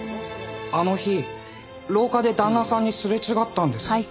あの日廊下で旦那さんにすれ違ったんです。